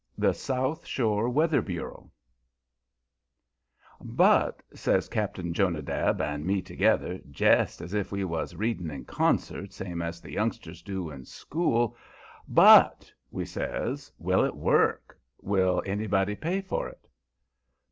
THE SOUTH SHORE WEATHER BUREAU "But," says Cap'n Jonadab and me together, jest as if we was "reading in concert" same as the youngsters do in school, "but," we says, "will it work? Will anybody pay for it?"